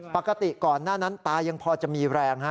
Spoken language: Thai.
ปกติก่อนหน้านั้นตายังพอจะมีแรงฮะ